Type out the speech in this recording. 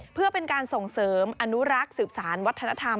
เพื่อเป็นการส่งเสริมอนุรักษ์สืบสารวัฒนธรรม